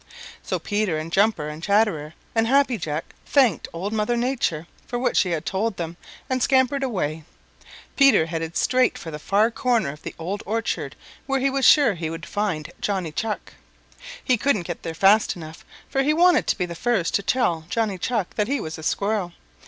So Peter and Jumper and Chatterer and Happy Jack thanked Old Mother Nature for what she had told them and scampered away. Peter headed straight for the far corner of the Old Orchard where he was sure he would find Johnny Chuck. He couldn't get there fast enough, for he wanted to be the first to tell Johnny Chuck that he was a Squirrel.